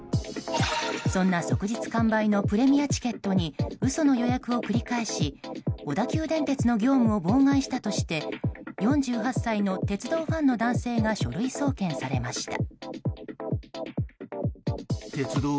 そんな即日完売のプレミアチケットに嘘の予約を繰り返し小田急電鉄の業務を妨害したとして４８歳の鉄道ファンの男性が書類送検されました。